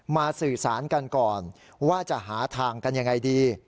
สื่อสารกันก่อนว่าจะหาทางกันยังไงดี